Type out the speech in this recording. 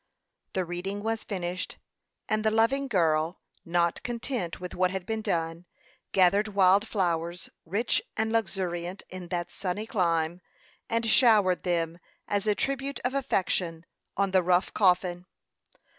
The reading was finished, and the loving girl, not content with what had been done, gathered wild flowers, rich and luxuriant in that sunny clime, and showered them, as a tribute of affection, on the rough coffin.